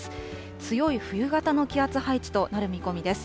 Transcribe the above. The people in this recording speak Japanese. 強い冬型の気圧配置となる見込みです。